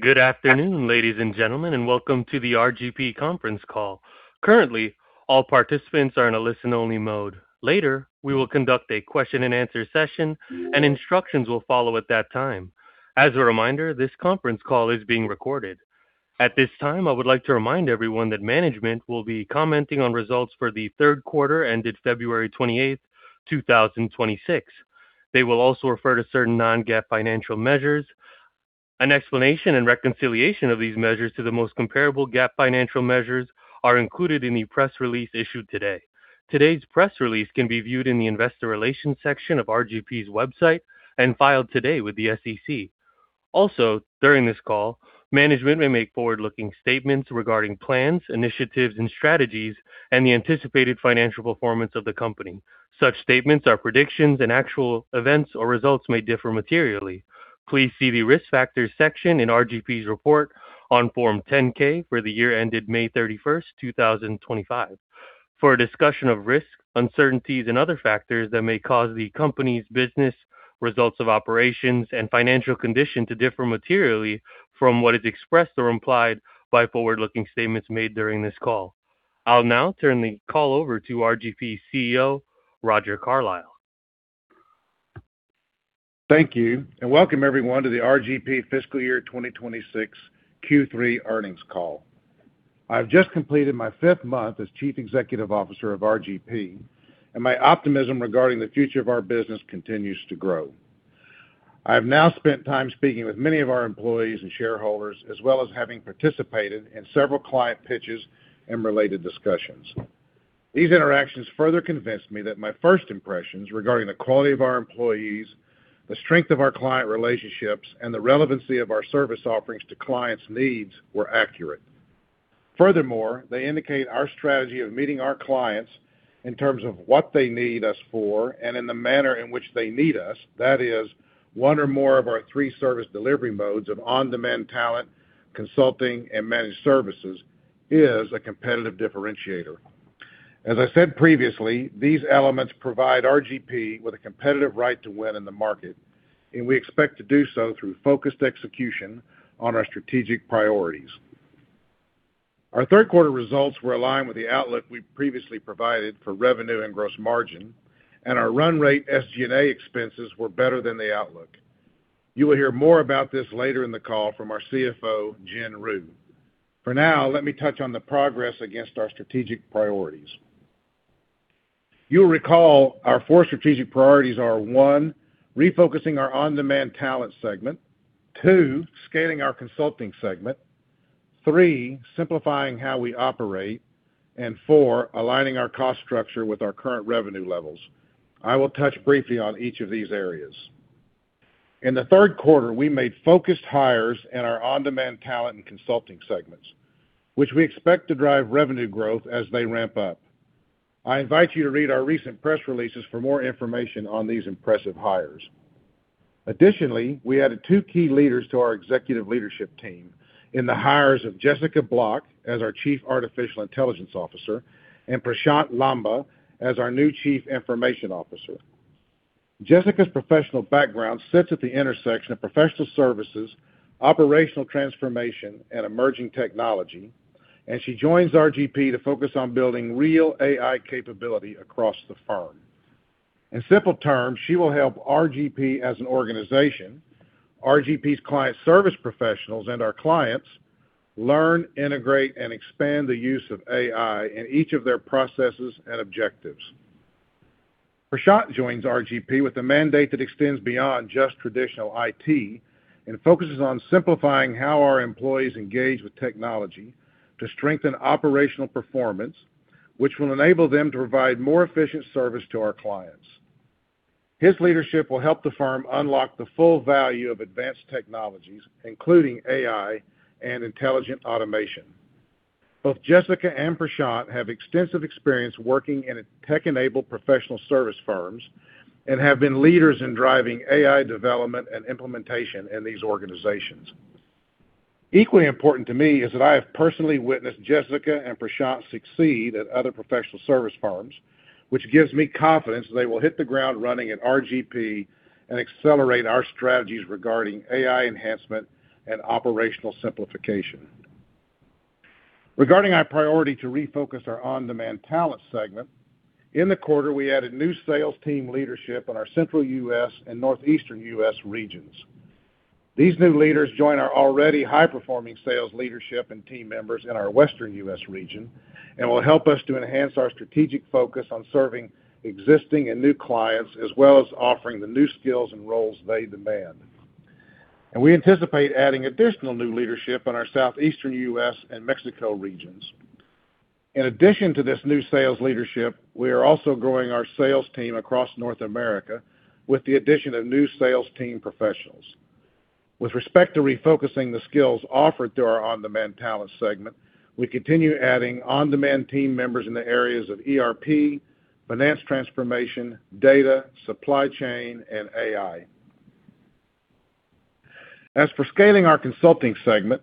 Good afternoon, ladies and gentlemen, and welcome to the RGP conference call. Currently, all participants are in a listen-only mode. Later, we will conduct a question and answer session, and instructions will follow at that time. As a reminder, this conference call is being recorded. At this time, I would like to remind everyone that management will be commenting on results for the third quarter ended February 28th, 2026. They will also refer to certain non-GAAP financial measures. An explanation and reconciliation of these measures to the most comparable GAAP financial measures are included in the press release issued today. Today's press release can be viewed in the investor relations section of RGP's website and filed today with the SEC. Also, during this call, management may make forward-looking statements regarding plans, initiatives, and strategies and the anticipated financial performance of the company. Such statements are predictions, and actual events or results may differ materially. Please see the Risk Factors section in RGP's report on Form 10-K for the year ended May 31st, 2025, for a discussion of risks, uncertainties, and other factors that may cause the company's business results of operations and financial condition to differ materially from what is expressed or implied by forward-looking statements made during this call. I'll now turn the call over to RGP CEO, Roger Carlile. Thank you, and welcome everyone to the RGP fiscal year 2026 Q3 earnings call. I've just completed my fifth month as Chief Executive Officer of RGP, and my optimism regarding the future of our business continues to grow. I have now spent time speaking with many of our employees and shareholders, as well as having participated in several client pitches and related discussions. These interactions further convinced me that my first impressions regarding the quality of our employees, the strength of our client relationships, and the relevancy of our service offerings to clients' needs were accurate. Furthermore, they indicate our strategy of meeting our clients in terms of what they need us for and in the manner in which they need us. That is one or more of our three service delivery modes of on-demand talent, consulting, and managed services is a competitive differentiator. As I said previously, these elements provide RGP with a competitive right to win in the market, and we expect to do so through focused execution on our strategic priorities. Our third quarter results were aligned with the outlook we previously provided for revenue and gross margin, and our run rate SG&A expenses were better than the outlook. You will hear more about this later in the call from our CFO, Jenn Ryu. For now, let me touch on the progress against our strategic priorities. You'll recall our four strategic priorities are, one, refocusing our on-demand talent segment. Two, scaling our consulting segment. Three, simplifying how we operate. And four, aligning our cost structure with our current revenue levels. I will touch briefly on each of these areas. In the third quarter, we made focused hires in our On-Demand Talent and Consulting segments, which we expect to drive revenue growth as they ramp up. I invite you to read our recent press releases for more information on these impressive hires. Additionally, we added two key leaders to our executive leadership team in the hires of Jessica Block as our Chief Artificial Intelligence Officer, and Prashant Lamba as our new Chief Information Officer. Jessica's professional background sits at the intersection of professional services, operational transformation, and emerging technology, and she joins RGP to focus on building real AI capability across the firm. In simple terms, she will help RGP as an organization, RGP's client service professionals, and our clients learn, integrate, and expand the use of AI in each of their processes and objectives. Prashant joins RGP with a mandate that extends beyond just traditional IT and focuses on simplifying how our employees engage with technology to strengthen operational performance, which will enable them to provide more efficient service to our clients. His leadership will help the firm unlock the full value of advanced technologies, including AI and intelligent automation. Both Jessica and Prashant have extensive experience working in tech-enabled professional service firms and have been leaders in driving AI development and implementation in these organizations. Equally important to me is that I have personally witnessed Jessica and Prashant succeed at other professional service firms, which gives me confidence that they will hit the ground running at RGP and accelerate our strategies regarding AI enhancement and operational simplification. Regarding our priority to refocus our on-demand talent segment, in the quarter, we added new sales team leadership in our Central U.S. and Northeastern U.S. regions. These new leaders join our already high-performing sales leadership and team members in our Western U.S. region and will help us to enhance our strategic focus on serving existing and new clients, as well as offering the new skills and roles they demand. We anticipate adding additional new leadership in our Southeastern U.S. and Mexico regions. In addition to this new sales leadership, we are also growing our sales team across North America with the addition of new sales team professionals. With respect to refocusing the skills offered through our on-demand talent segment, we continue adding on-demand team members in the areas of ERP, finance transformation, data, supply chain, and AI. As for scaling our consulting segment.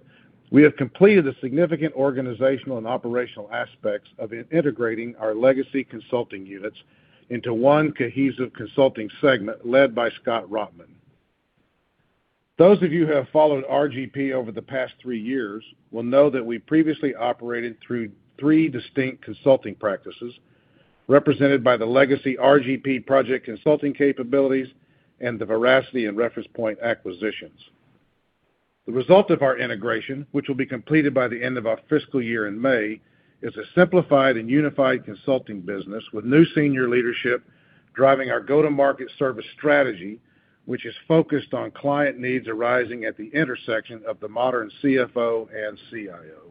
We have completed the significant organizational and operational aspects of integrating our legacy consulting units into one cohesive consulting segment led by Scott Rotman. Those of you who have followed RGP over the past three years will know that we previously operated through three distinct consulting practices, represented by the legacy RGP project consulting capabilities and the Veracity and Reference Point acquisitions. The result of our integration, which will be completed by the end of our fiscal year in May, is a simplified and unified consulting business with new senior leadership driving our go-to-market service strategy, which is focused on client needs arising at the intersection of the modern CFO and CIO.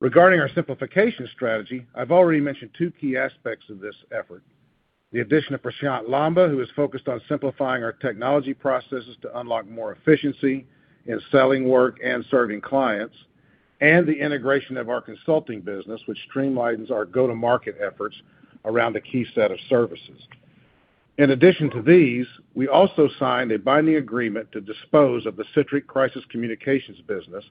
Regarding our simplification strategy, I've already mentioned two key aspects of this effort. The addition of Prashant Lamba, who is focused on simplifying our technology processes to unlock more efficiency in selling work and serving clients, and the integration of our consulting business, which streamlines our go-to-market efforts around a key set of services. In addition to these, we also signed a binding agreement to dispose of the Sitrick crisis communications business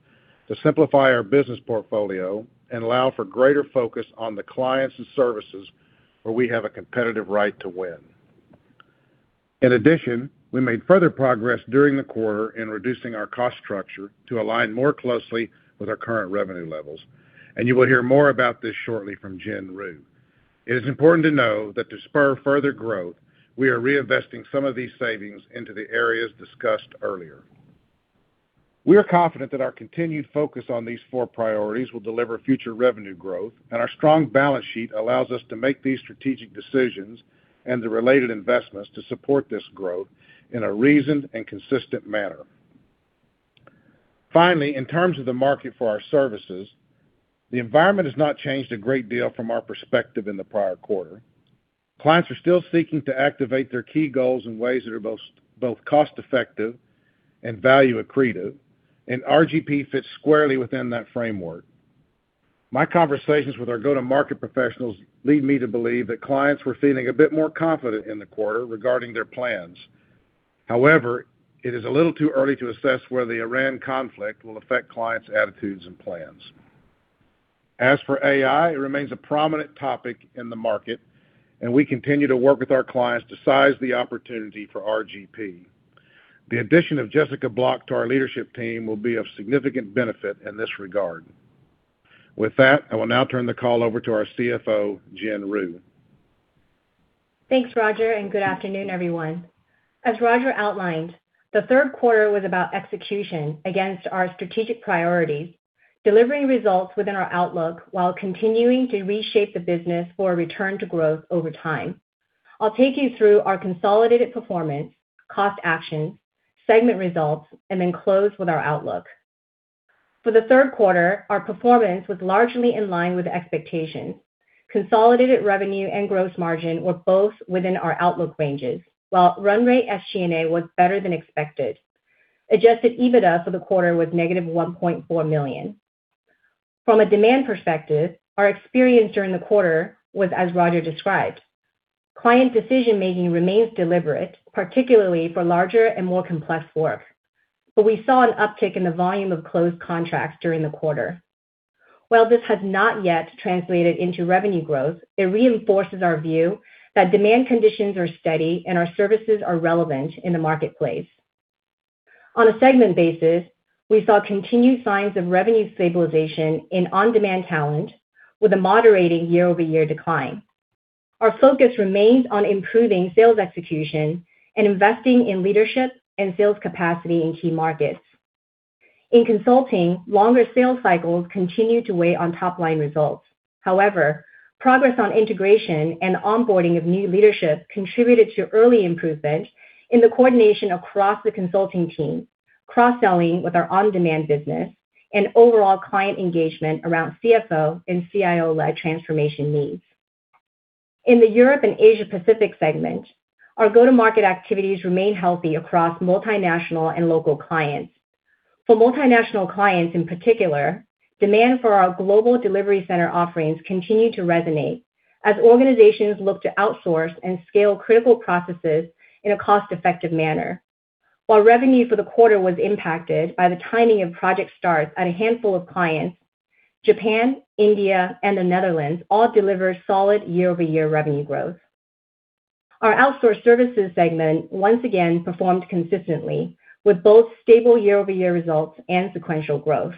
to simplify our business portfolio and allow for greater focus on the clients and services where we have a competitive right to win. In addition, we made further progress during the quarter in reducing our cost structure to align more closely with our current revenue levels, and you will hear more about this shortly from Jenn Ryu. It is important to know that to spur further growth, we are reinvesting some of these savings into the areas discussed earlier. We are confident that our continued focus on these four priorities will deliver future revenue growth, and our strong balance sheet allows us to make these strategic decisions and the related investments to support this growth in a reasoned and consistent manner. Finally, in terms of the market for our services, the environment has not changed a great deal from our perspective in the prior quarter. Clients are still seeking to activate their key goals in ways that are both cost-effective and value-accretive, and RGP fits squarely within that framework. My conversations with our go-to-market professionals lead me to believe that clients were feeling a bit more confident in the quarter regarding their plans. However, it is a little too early to assess whether the Iran conflict will affect clients' attitudes and plans. As for AI, it remains a prominent topic in the market, and we continue to work with our clients to size the opportunity for RGP. The addition of Jessica Block to our leadership team will be of significant benefit in this regard. With that, I will now turn the call over to our CFO, Jenn Ryu. Thanks, Roger, and good afternoon, everyone. As Roger outlined, the third quarter was about execution against our strategic priorities, delivering results within our outlook while continuing to reshape the business for a return to growth over time. I'll take you through our consolidated performance, cost actions, segment results, and then close with our outlook. For the third quarter, our performance was largely in line with expectations. Consolidated revenue and gross margin were both within our outlook ranges, while run rate SG&A was better than expected. Adjusted EBITDA for the quarter was -$1.4 million. From a demand perspective, our experience during the quarter was as Roger described. Client decision-making remains deliberate, particularly for larger and more complex work, but we saw an uptick in the volume of closed contracts during the quarter. While this has not yet translated into revenue growth, it reinforces our view that demand conditions are steady and our services are relevant in the marketplace. On a segment basis, we saw continued signs of revenue stabilization in On Demand Talent with a moderating year-over-year decline. Our focus remains on improving sales execution and investing in leadership and sales capacity in key markets. In Consulting, longer sales cycles continue to weigh on top-line results. However, progress on integration and onboarding of new leadership contributed to early improvement in the coordination across the Consulting team, cross-selling with our On Demand Talent business, and overall client engagement around CFO and CIO-led transformation needs. In the Europe and Asia Pacific segment, our go-to-market activities remain healthy across multinational and local clients. For multinational clients in particular, demand for our global delivery center offerings continue to resonate as organizations look to outsource and scale critical processes in a cost-effective manner. While revenue for the quarter was impacted by the timing of project starts at a handful of clients, Japan, India, and the Netherlands all delivered solid year-over-year revenue growth. Our outsource services segment once again performed consistently with both stable year-over-year results and sequential growth.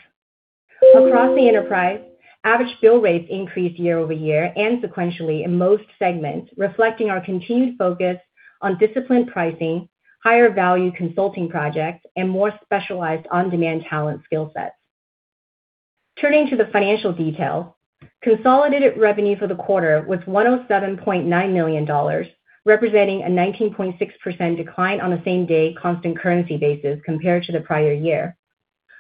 Across the enterprise, average bill rates increased year-over-year and sequentially in most segments, reflecting our continued focus on disciplined pricing, higher-value consulting projects, and more specialized on-demand talent skill sets. Turning to the financial details, consolidated revenue for the quarter was $107.9 million, representing a 19.6% decline on a same-day constant currency basis compared to the prior year.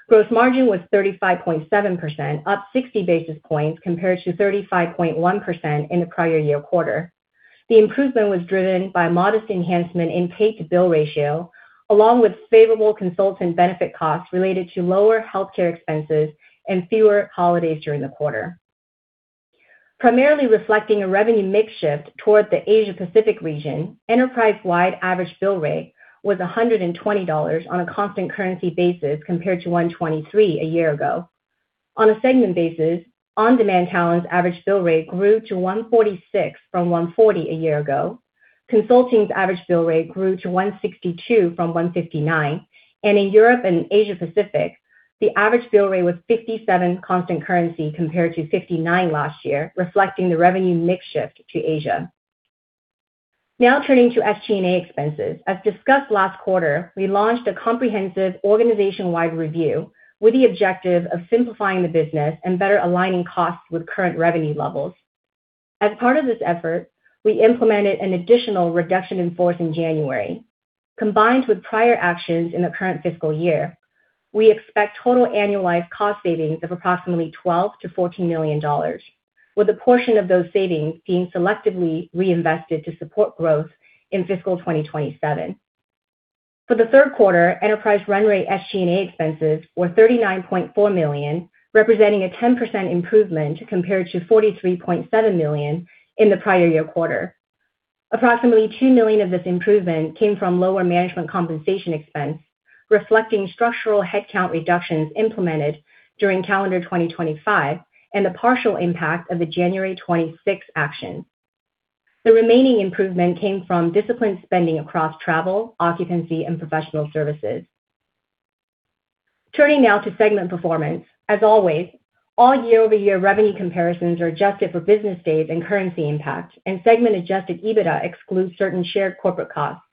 Gross margin was 35.7%, up 60 basis points compared to 35.1% in the prior year quarter. The improvement was driven by modest enhancement in paid-to-bill ratio, along with favorable consultant benefit costs related to lower healthcare expenses and fewer holidays during the quarter. Primarily reflecting a revenue mix shift toward the Asia Pacific region, enterprise-wide average bill rate was $120 on a constant currency basis, compared to $123 a year ago. On a segment basis, On Demand Talent's average bill rate grew to $146 from $140 a year ago. Consulting's average bill rate grew to $162 from $159. In Europe and Asia Pacific, the average bill rate was $57 constant currency compared to $59 last year, reflecting the revenue mix shift to Asia. Now turning to SG&A expenses. As discussed last quarter, we launched a comprehensive organization-wide review with the objective of simplifying the business and better aligning costs with current revenue levels. As part of this effort, we implemented an additional reduction in force in January. Combined with prior actions in the current fiscal year, we expect total annualized cost savings of approximately $12 million-$14 million, with a portion of those savings being selectively reinvested to support growth in fiscal 2027. For the third quarter, enterprise run rate SG&A expenses were $39.4 million, representing a 10% improvement compared to $43.7 million in the prior year quarter. Approximately $2 million of this improvement came from lower management compensation expense, reflecting structural headcount reductions implemented during calendar 2025 and the partial impact of the January 26 action. The remaining improvement came from disciplined spending across travel, occupancy, and professional services. Turning now to segment performance. As always, all year-over-year revenue comparisons are adjusted for business days and currency impact, and segment adjusted EBITDA excludes certain shared corporate costs.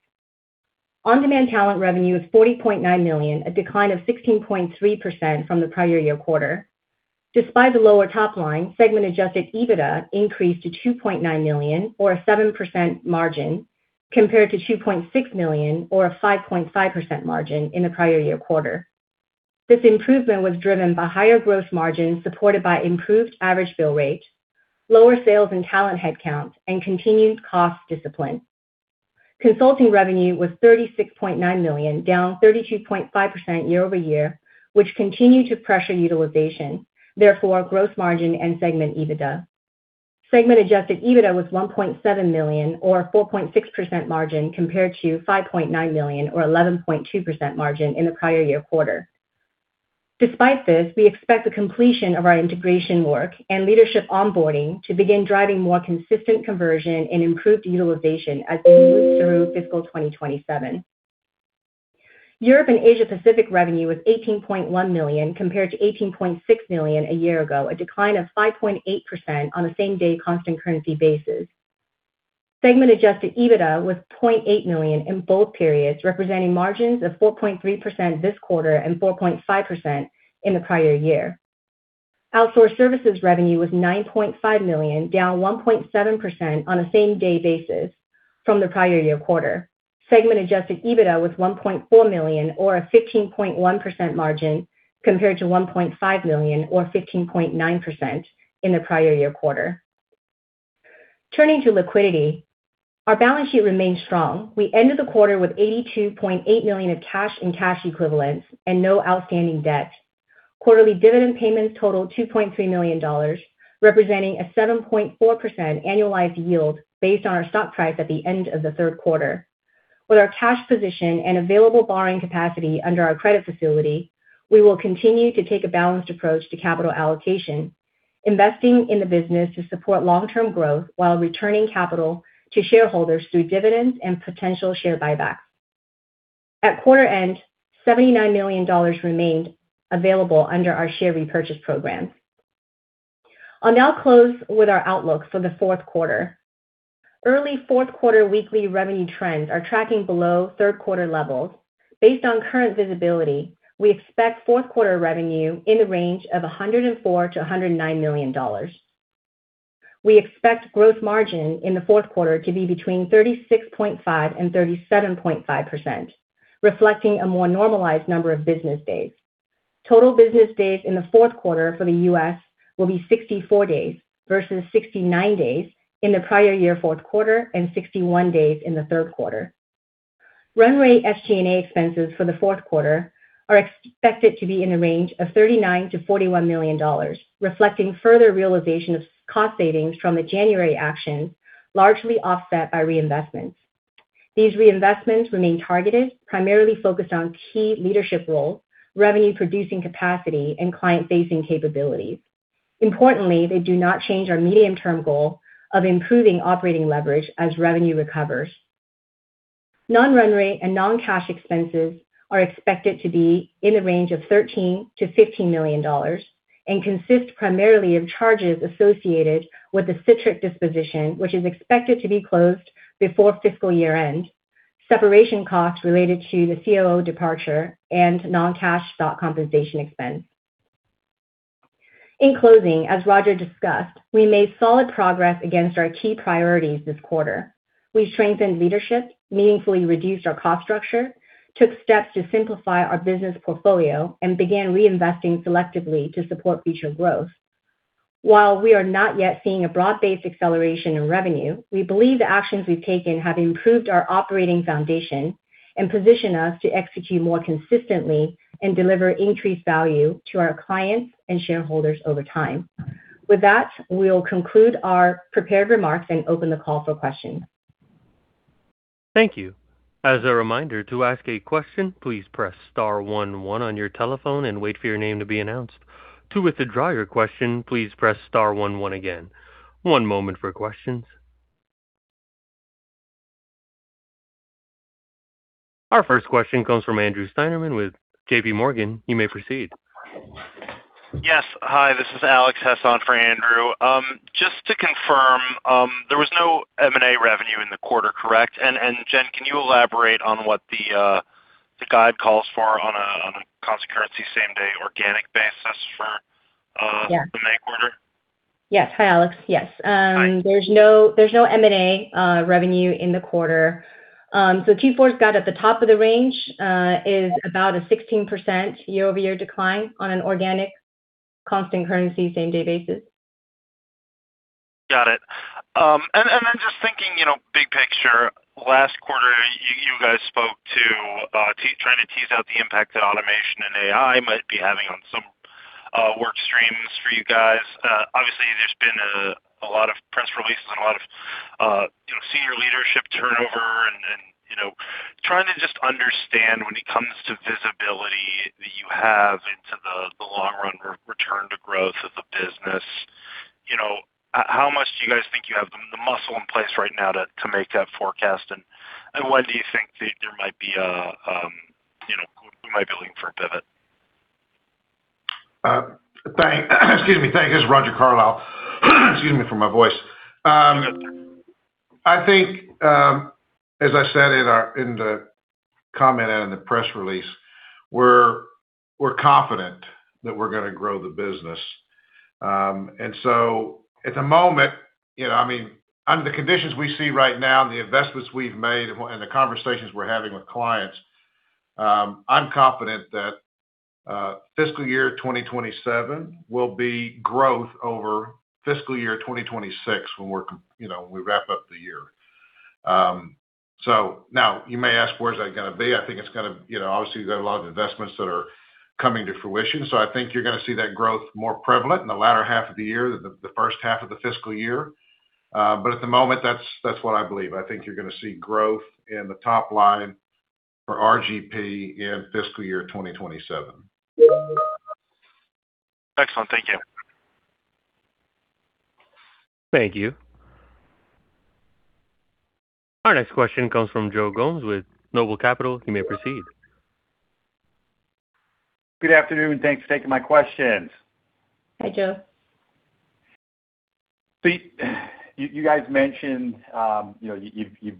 On Demand Talent revenue was $40.9 million, a decline of 16.3% from the prior year quarter. Despite the lower top line, segment adjusted EBITDA increased to $2.9 million or a 7% margin, compared to $2.6 million or a 5.5% margin in the prior year quarter. This improvement was driven by higher growth margins supported by improved average bill rate, lower sales and talent headcount, and continued cost discipline. Consulting revenue was $36.9 million, down 32.5% year-over-year, which continued to pressure utilization, therefore, gross margin and segment EBITDA. Segment adjusted EBITDA was $1.7 million or 4.6% margin compared to $5.9 million or 11.2% margin in the prior year quarter. Despite this, we expect the completion of our integration work and leadership onboarding to begin driving more consistent conversion and improved utilization as we move through fiscal 2027. Europe and Asia Pacific revenue was $18.1 million compared to $18.6 million a year ago, a decline of 5.8% on a same-day constant currency basis. Segment adjusted EBITDA was $0.8 million in both periods, representing margins of 4.3% this quarter and 4.5% in the prior year. Outsource services revenue was $9.5 million, down 1.7% on a same-day basis from the prior year quarter. Segment adjusted EBITDA was $1.4 million or a 15.1% margin compared to $1.5 million or 15.9% in the prior year quarter. Turning to liquidity. Our balance sheet remains strong. We ended the quarter with $82.8 million of cash and cash equivalents and no outstanding debt. Quarterly dividend payments totaled $2.3 million, representing a 7.4% annualized yield based on our stock price at the end of the third quarter. With our cash position and available borrowing capacity under our credit facility, we will continue to take a balanced approach to capital allocation, investing in the business to support long-term growth while returning capital to shareholders through dividends and potential share buybacks. At quarter end, $79 million remained available under our share repurchase program. I'll now close with our outlook for the fourth quarter. Early fourth quarter weekly revenue trends are tracking below third quarter levels. Based on current visibility, we expect fourth quarter revenue in the range of $104 million-$109 million. We expect growth margin in the fourth quarter to be between 36.5%-37.5%, reflecting a more normalized number of business days. Total business days in the fourth quarter for the U.S. will be 64 days versus 69 days in the prior year fourth quarter and 61 days in the third quarter. Run rate SG&A expenses for the fourth quarter are expected to be in the range of $39 million-$41 million, reflecting further realization of cost savings from the January action, largely offset by reinvestments. These reinvestments remain targeted, primarily focused on key leadership roles, revenue-producing capacity, and client-facing capabilities. Importantly, they do not change our medium-term goal of improving operating leverage as revenue recovers. Non-run rate and non-cash expenses are expected to be in the range of $13 million-$15 million and consist primarily of charges associated with the Sitrick disposition, which is expected to be closed before fiscal year-end, separation costs related to the COO departure, and non-cash stock compensation expense. In closing, as Roger discussed, we made solid progress against our key priorities this quarter. We strengthened leadership, meaningfully reduced our cost structure, took steps to simplify our business portfolio, and began reinvesting selectively to support future growth. While we are not yet seeing a broad-based acceleration in revenue, we believe the actions we've taken have improved our operating foundation and position us to execute more consistently and deliver increased value to our clients and shareholders over time. With that, we'll conclude our prepared remarks and open the call for questions. Thank you. As a reminder, to ask a question, please press star one one on your telephone and wait for your name to be announced. To withdraw your question, please press star one one again. One moment for questions. Our first question comes from Andrew Steinerman with JPMorgan. You may proceed. Yes. Hi, this is Alex Hess on for Andrew. Just to confirm, there was no M&A revenue in the quarter, correct? Jen, can you elaborate on what the guide calls for on a constant currency same-day organic basis for- Yeah The May quarter? Yes. Hi, Alex. Yes. Hi. There's no M&A revenue in the quarter. Q4's got at the top of the range, is about a 16% year-over-year decline on an organic constant currency same-day basis. Got it. Then just thinking, big picture, last quarter, you guys spoke to trying to tease out the impact that automation and AI might be having on some work streams for you guys. Obviously, there's been a lot of press releases and a lot of senior leadership turnover, and trying to just understand when it comes to visibility that you have into the long run return to growth of the business, how much do you guys think you have the muscle in place right now to make that forecast? When do you think there might be a pivot we might be looking for. Thanks, excuse me. This is Roger Carlile. Excuse me for my voice. I think, as I said in the comment and in the press release, we're confident that we're going to grow the business. At the moment, under the conditions we see right now, the investments we've made and the conversations we're having with clients, I'm confident that fiscal year 2027 will be growth over fiscal year 2026, when we wrap up the year. Now you may ask, where is that gonna be? I think it's gonna. Obviously, you got a lot of investments that are coming to fruition, so I think you're gonna see that growth more prevalent in the latter half of the year than the first half of the fiscal year. At the moment, that's what I believe. I think you're gonna see growth in the top line for RGP in fiscal year 2027. Excellent. Thank you. Thank you. Our next question comes from Joe Gomes with Noble Capital. You may proceed. Good afternoon. Thanks for taking my questions. Hi, Joe. You guys mentioned you've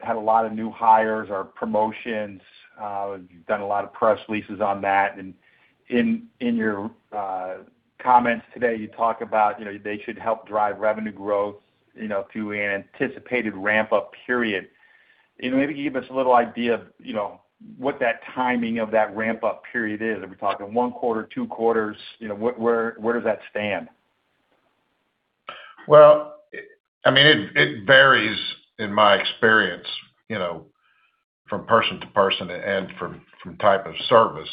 had a lot of new hires or promotions. You've done a lot of press releases on that. In your comments today, you talk about they should help drive revenue growth through an anticipated ramp-up period. Maybe give us a little idea of what that timing of that ramp-up period is. Are we talking one quarter, two quarters? Where does that stand? Well, it varies in my experience from person to person and from type of service.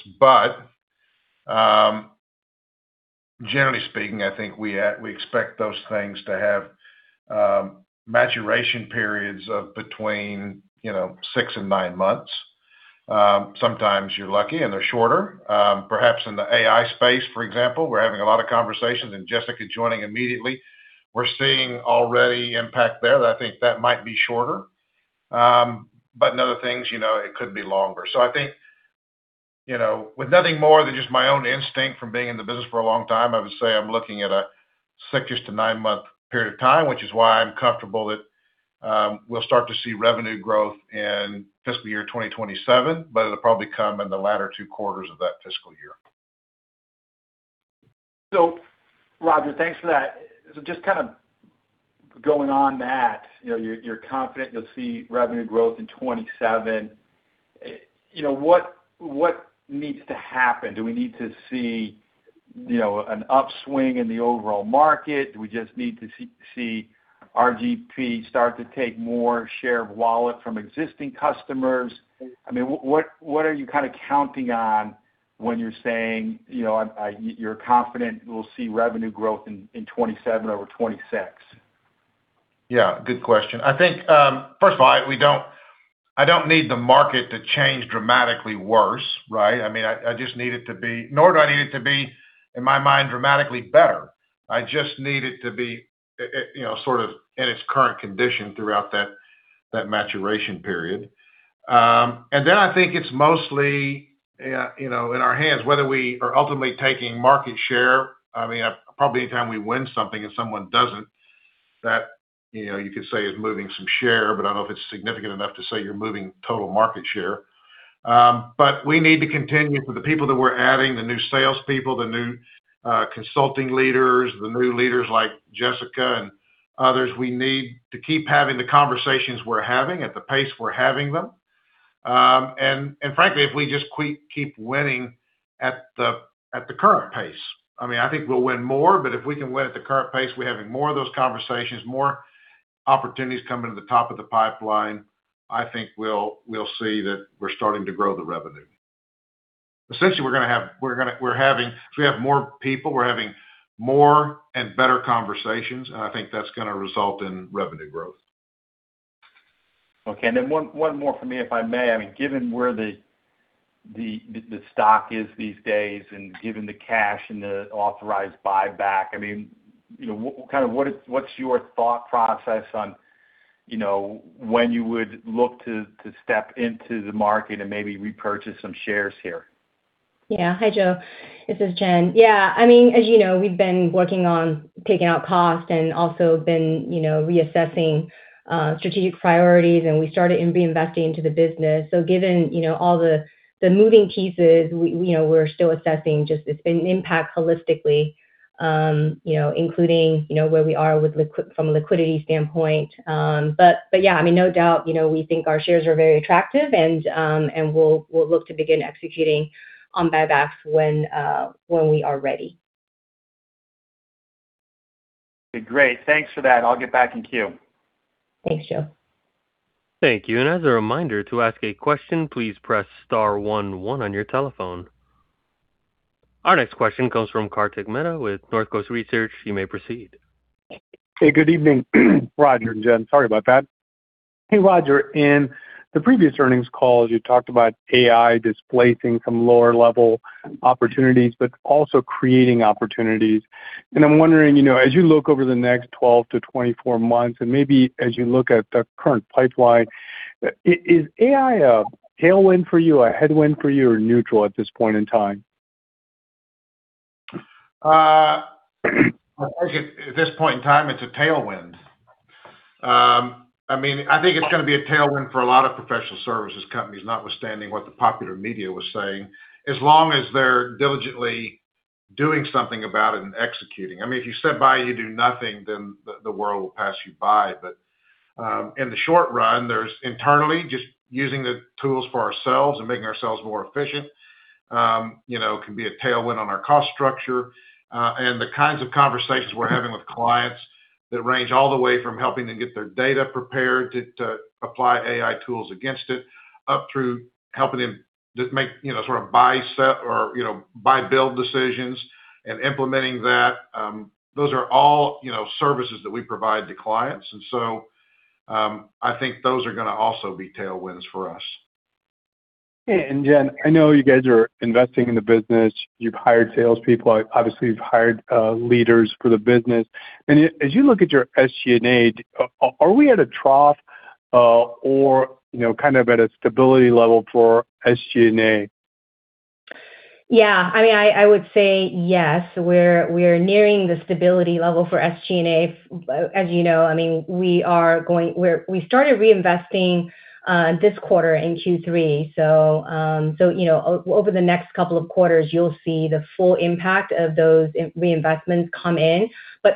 Generally speaking, I think we expect those things to have maturation periods of between six and nine months. Sometimes you're lucky, and they're shorter. Perhaps in the AI space, for example, we're having a lot of conversations and Jessica joining immediately. We're seeing already impact there that I think that might be shorter. In other things, it could be longer. I think, with nothing more than just my own instinct from being in the business for a long time, I would say I'm looking at a six-ish to nine-month period of time, which is why I'm comfortable that we'll start to see revenue growth in fiscal year 2027, but it'll probably come in the latter two quarters of that fiscal year. Roger, thanks for that. Just kind of going on that, you're confident you'll see revenue growth in 2027. What needs to happen? Do we need to see an upswing in the overall market? Do we just need to see RGP start to take more share of wallet from existing customers? I mean, what are you kind of counting on when you're saying you're confident we'll see revenue growth in 2027 over 2026? Yeah, good question. I think, first of all, I don't need the market to change dramatically worse, right? I mean, I just need it to be nor do I need it to be, in my mind, dramatically better. I just need it to be sort of in its current condition throughout that maturation period. I think it's mostly in our hands whether we are ultimately taking market share. I mean, probably any time we win something and someone doesn't, that you could say is moving some share, but I don't know if it's significant enough to say you're moving total market share. We need to continue with the people that we're adding, the new salespeople, the new consulting leaders, the new leaders like Jessica and others. We need to keep having the conversations we're having at the pace we're having them. Frankly, if we just keep winning at the current pace, I mean, I think we'll win more, but if we can win at the current pace, we're having more of those conversations, more opportunities coming to the top of the pipeline, I think we'll see that we're starting to grow the revenue. Essentially, if we have more people, we're having more and better conversations, and I think that's going to result in revenue growth. Okay, and then one more for me, if I may. Given where the stock is these days and given the cash and the authorized buyback, what's your thought process on when you would look to step into the market and maybe repurchase some shares here? Yeah. Hi, Joe. This is Jenn. Yeah. As you know, we've been working on taking out cost and also been reassessing strategic priorities, and we started reinvesting into the business. Given all the moving pieces, we're still assessing just its impact holistically, including where we are from a liquidity standpoint. Yeah, no doubt, we think our shares are very attractive, and we'll look to begin executing on buybacks when we are ready. Okay, great. Thanks for that. I'll get back in queue. Thanks, Joe. Thank you. As a reminder, to ask a question, please press * one one on your telephone. Our next question comes from Kartik Mehta with Northcoast Research. You may proceed. Hey, good evening, Roger and Jenn. Sorry about that. Hey, Roger, in the previous earnings call, you talked about AI displacing some lower-level opportunities, but also creating opportunities. I'm wondering, as you look over the next 12-24 months, and maybe as you look at the current pipeline, is AI a tailwind for you, a headwind for you, or neutral at this point in time? At this point in time, it's a tailwind. I think it's going to be a tailwind for a lot of professional services companies, notwithstanding what the popular media was saying, as long as they're diligently doing something about it and executing. If you sit by and you do nothing, then the world will pass you by. In the short run, there's internally just using the tools for ourselves and making ourselves more efficient, can be a tailwind on our cost structure. The kinds of conversations we're having with clients that range all the way from helping them get their data prepared to apply AI tools against it, up through helping them just make sort of buy build decisions and implementing that. Those are all services that we provide to clients. I think those are going to also be tailwinds for us. Jenn, I know you guys are investing in the business. You've hired salespeople. Obviously, you've hired leaders for the business. As you look at your SG&A, are we at a trough or kind of at a stability level for SG&A? Yeah. I would say yes, we're nearing the stability level for SG&A. As you know, we started reinvesting this quarter in Q3. Over the next couple of quarters, you'll see the full impact of those reinvestments come in.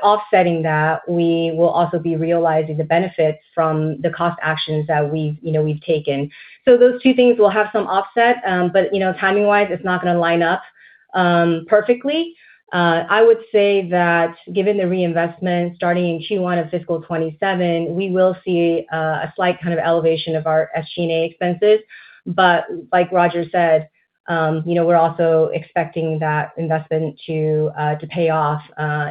Offsetting that, we will also be realizing the benefits from the cost actions that we've taken. Those two things will have some offset, but timing-wise, it's not going to line up perfectly. I would say that given the reinvestment starting in Q1 of fiscal 2027, we will see a slight kind of elevation of our SG&A expenses. Like Roger said, we're also expecting that investment to pay off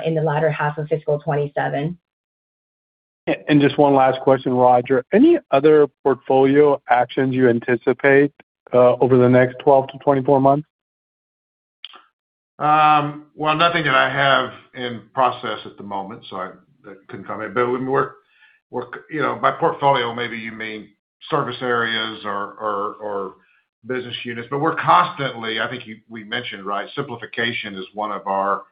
in the latter half of fiscal 2027. Just one last question, Roger. Any other portfolio actions you anticipate over the next 12-24 months? Well, nothing that I have in process at the moment, so I couldn't comment. By portfolio, maybe you mean service areas or business units. We're constantly, I think we mentioned, right? Simplification is one of our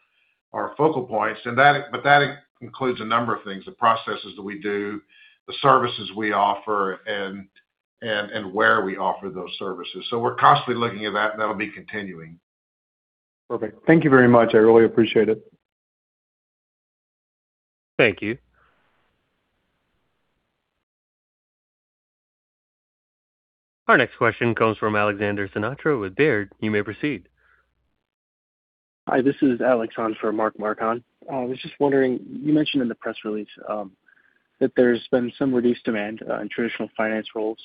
focal points, but that includes a number of things, the processes that we do, the services we offer, and where we offer those services. We're constantly looking at that, and that'll be continuing. Perfect. Thank you very much. I really appreciate it. Thank you. Our next question comes from Alexander Sinatra with Baird. You may proceed. Hi, this is Alex on for Mark Marcon. I was just wondering, you mentioned in the press release, that there's been some reduced demand in traditional finance roles,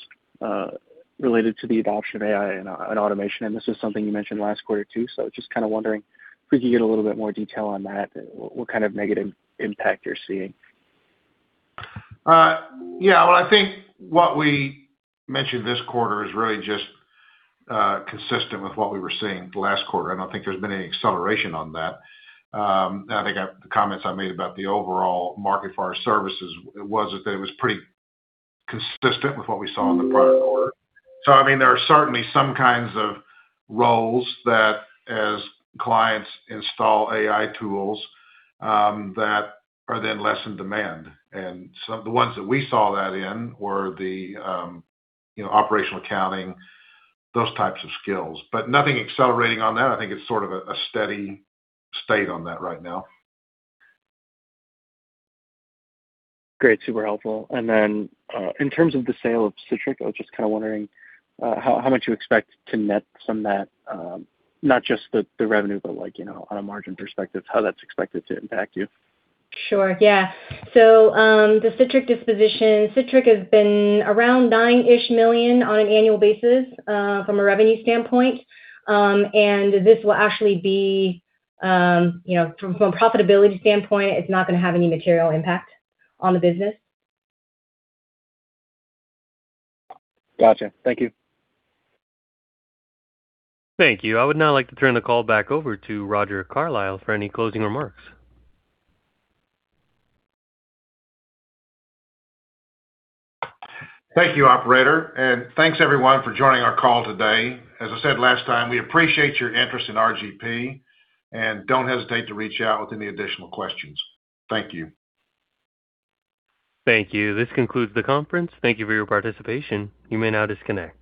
related to the adoption of AI and automation, and this is something you mentioned last quarter, too. Just kind of wondering if we could get a little bit more detail on that, what kind of negative impact you're seeing. Yeah. Well, I think what we mentioned this quarter is really just consistent with what we were seeing last quarter, and I don't think there's been any acceleration on that. I think the comments I made about the overall market for our services was that it was pretty consistent with what we saw in the prior quarter. There are certainly some kinds of roles that as clients install AI tools, that are then less in demand. The ones that we saw that in were the operational accounting, those types of skills. Nothing accelerating on that. I think it's sort of a steady state on that right now. Great. Super helpful. In terms of the sale of Sitrick, I was just kind of wondering how much you expect to net from that, not just the revenue, but on a margin perspective, how that's expected to impact you. Sure. Yeah. The Sitrick disposition, Sitrick has been around $9-ish million on an annual basis, from a revenue standpoint. This will actually be from a profitability standpoint. It's not going to have any material impact on the business. Got you. Thank you. Thank you. I would now like to turn the call back over to Roger Carlile for any closing remarks. Thank you, operator, and thanks everyone for joining our call today. As I said last time, we appreciate your interest in RGP, and don't hesitate to reach out with any additional questions. Thank you. Thank you. This concludes the conference. Thank you for your participation. You may now disconnect.